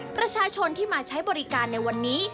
ประชาชนที่มาใช้บริการในวันนี้